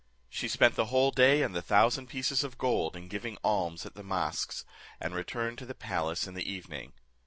She spend the whole day and the thousand pieces of gold in giving alms at the mosques, and returned to the palace in the evening.